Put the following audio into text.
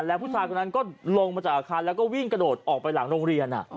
แล้วผู้ชายคนนั้นก็ลงมาจากอาคารแล้วก็วิ่งกระโดดออกไปหลังโรงเรียน